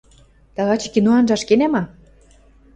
— Тагачы кино анжаш кенӓ ма?